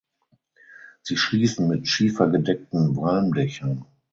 Sie schließen mit schiefergedeckten Walmdächern.